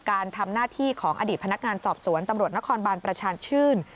การทำหน้าที่ของอดีตพนักงานสอบสวนตำรวจนครบานประชาชื่น